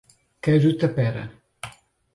Carutapera